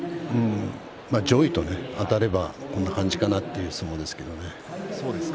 上位とあたればこんな感じかなという相撲ですけどね。